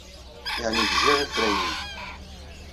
Yeɛni gziɣ ifrayen-nnem.